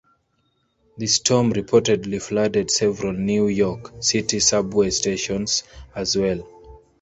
The storm reportedly flooded several New York City Subway stations as well.